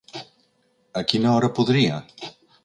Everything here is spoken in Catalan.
A quina hora podria?